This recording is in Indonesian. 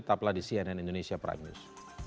tetaplah di cnn indonesia prime news